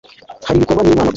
hari ibikorwa n’ Imana gusa